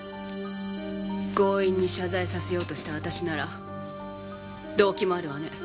強引に謝罪させようとした私なら動機もあるわね。